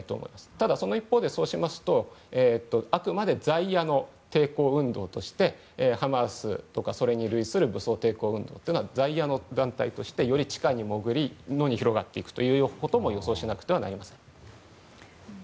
ただ、その一方であくまで在野の抵抗運動としてハマスとかそれに類する武装抵抗運動というのはより地下に潜り野に広がっていくことも予想しなくてはなりません。